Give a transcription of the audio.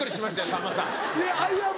さんまさん。